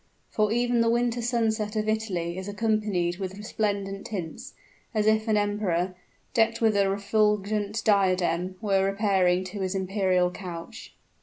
For even the winter sunset of Italy is accompanied with resplendent tints as if an emperor, decked with a refulgent diadem, were repairing to his imperial couch.